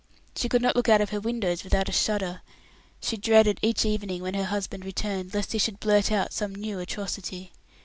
She could not look out of her windows without a shudder. She dreaded each evening when her husband returned, lest he should blurt out some new atrocity.